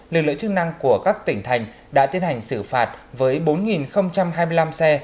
lực lượng chức năng của các tỉnh thành đã tiến hành xử phạt với bốn hai mươi năm xe